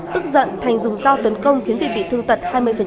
tức giận thành dùng dao tấn công khiến việt bị thương tật